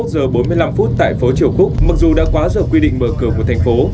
hai mươi một giờ bốn mươi năm phút tại phố triều quốc mặc dù đã quá giờ quy định mở cửa một thành phố